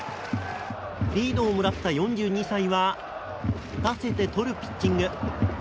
リードをもらった４２歳は打たせてとるピッチング。